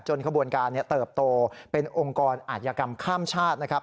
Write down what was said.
ขบวนการเติบโตเป็นองค์กรอาธิกรรมข้ามชาตินะครับ